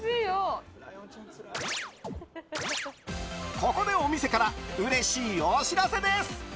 ここで、お店からうれしいお知らせです。